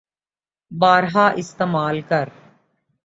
بارہا استعمال کر